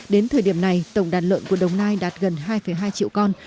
đến thời điểm này tổng đàn lợn của đồng nai đạt gần hai hai triệu con